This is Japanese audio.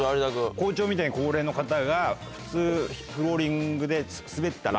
校長みたいに高齢の方が普通フローリングで。